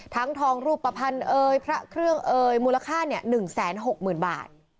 ทั้งทองรูปประพันธ์เอยพระเครื่องเอยมูลค่า๑๖๐๐๐๐๐บาท